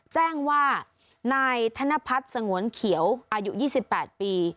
แจ้งว่านายธนพัฒน์สงวนเขียวอายุ๒๘ปี